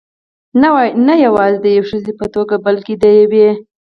نه یوازې د یوې ښځې په توګه، بلکې د یوې .